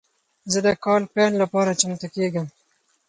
زه د کال پیل لپاره چمتو کیږم.